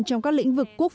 trong các lĩnh vực quốc tế